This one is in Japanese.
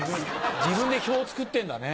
自分で表を作ってんだね。